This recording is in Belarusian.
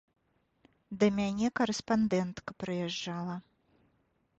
Да мяне карэспандэнтка прыязджала.